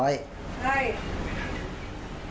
ใช่